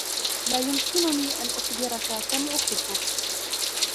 لا يمكنني أن أخبرك كم أحبّك.